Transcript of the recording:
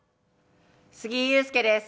杉井勇介です。